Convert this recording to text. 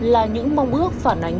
là những mong ước phản ánh